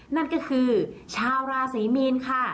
นั่นก็คือชาวราศรีมีนค่ะ